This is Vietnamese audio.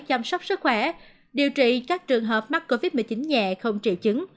chăm sóc sức khỏe điều trị các trường hợp mắc covid một mươi chín nhẹ không trị chứng